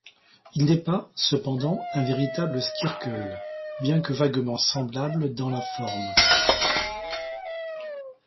Il n'est pas, cependant, un véritable squircle, bien que vaguement semblable dans la forme.